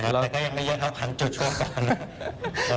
แต่ก็ยังไม่เยอะเท่าพันจุดช่วงก่อน